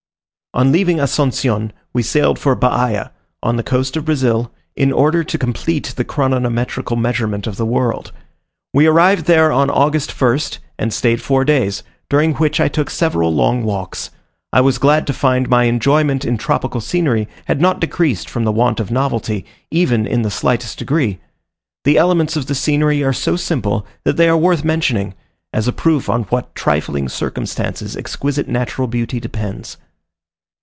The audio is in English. On leaving Ascension, we sailed for Bahia, on the coast of Brazil, in order to complete the chronometrical measurement of the world. We arrived there on August 1st, and stayed four days, during which I took several long walks. I was glad to find my enjoyment in tropical scenery had not decreased from the want of novelty, even in the slightest degree. The elements of the scenery are so simple, that they are worth mentioning, as a proof on what trifling circumstances exquisite natural beauty depends.